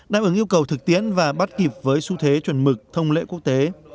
đáp ứng yêu cầu thực tiến và bắt kịp với xu thế chuẩn mực thông lễ quốc tế